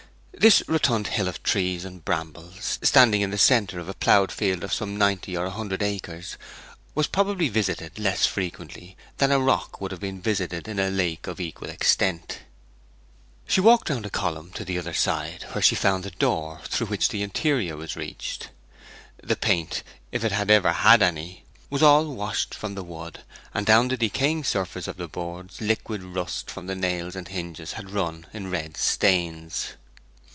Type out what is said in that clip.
This rotund hill of trees and brambles, standing in the centre of a ploughed field of some ninety or a hundred acres, was probably visited less frequently than a rock would have been visited in a lake of equal extent. She walked round the column to the other side, where she found the door through which the interior was reached. The paint, if it had ever had any, was all washed from the wood, and down the decaying surface of the boards liquid rust from the nails and hinges had run in red stains.